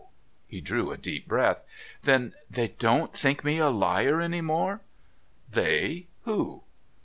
he drew a deep breath. "Then they don't think me a liar any more?" "They who?"